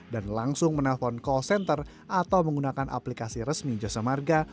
dan langsung menelpon call center atau menggunakan aplikasi resmi jasa marga